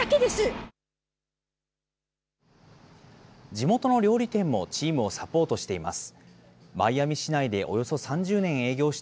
地元の料理店もチームをサポートしています。